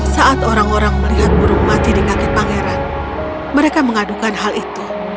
saat orang orang melihat burung mati di kaki pangeran mereka mengadukan hal itu